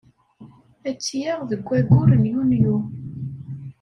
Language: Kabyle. Ad tt-yaɣ deg wayyur n Yunyu.